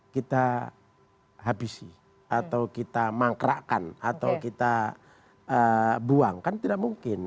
kita habisi atau kita mangkrakkan atau kita buang kan tidak mungkin